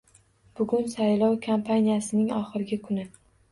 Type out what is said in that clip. Bugun saylov kampaniyasining oxirgi kuni